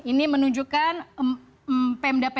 ini menunjukkan pmd pmd yang berada di jawa